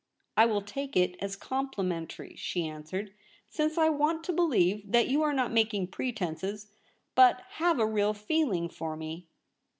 ' I will take it as complimentary,' she answered, ' since I want to believe that you are not making pretences, but have a real feeling for me.'